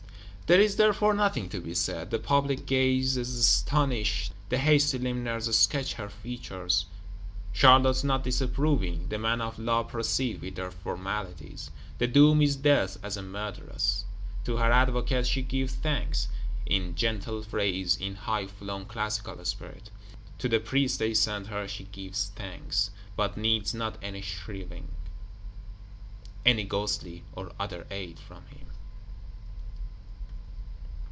There is therefore nothing to be said. The public gazes astonished: the hasty limners sketch her features, Charlotte not disapproving: the men of law proceed with their formalities. The doom is Death as a murderess. To her Advocate she gives thanks; in gentle phrase, in high flown classical spirit. To the Priest they send her she gives thanks; but needs not any shriving, any ghostly or other aid from him.